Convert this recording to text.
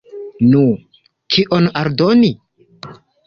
Nu, kion aldoni?